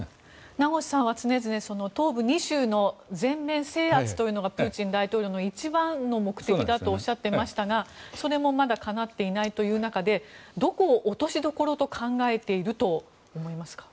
名越さんは常々東部２州の全面制圧というのがプーチン大統領の一番の目的だとおっしゃっていましたがそれもまだかなっていないという中でどこを落としどころと考えていると思いますか？